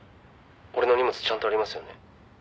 俺の荷物ちゃんとありますよね？」